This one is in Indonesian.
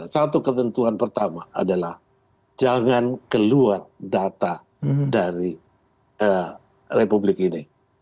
satu ketentuan pertama adalah jangan keluar data dari republik ini